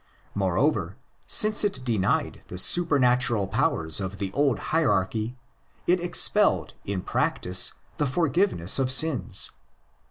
Moreover, since it denied the supernatural powers of the old hierarchy, it expelled in practice the '' forgiveness of sins."